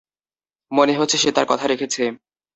মনে হচ্ছে সে তার কথা রেখেছে।